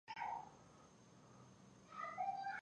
افغانستان د سیلاني ځایونو لپاره یو ښه کوربه دی.